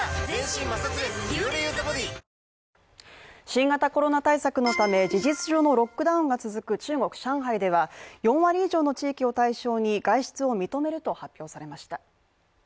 新型コロナ対策のため、事実上のロックダウンが続く中国上海では４割以上の地域を対象に外出を認めると発表されました。